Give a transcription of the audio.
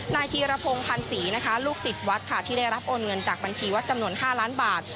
นายธีรพงศ์พันธ์ศรีนะคะลูกศิษย์วัดค่ะที่ได้รับโอนเงินจากบัญชีวัดจำนวน๕ล้านบาท